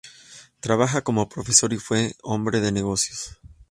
Trabajó como profesor y fue un hombre de negocios.